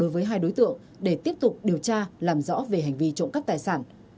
với hai đối tượng để tiếp tục điều tra làm rõ về hành vi trộm khắp thai sản